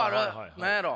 何やろう？